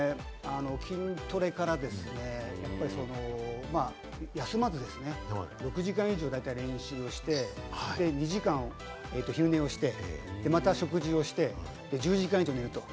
筋トレから休まず２時間以上練習して、２時間昼寝して、また食事をして、１０時間以上寝る。